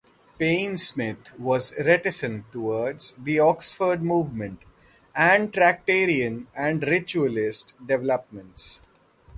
Payne Smith was reticent towards the Oxford Movement and Tractarian and Ritualist developments.